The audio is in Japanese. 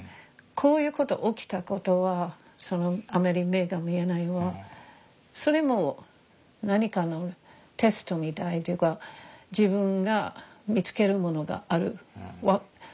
こういうこと起きたことはそのあまり目が見えないのはそれも何かのテストみたいというか自分が見つけるものがある。